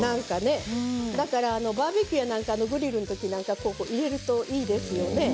だからバーベキューなんかのグリルのときに入れるといいですよ。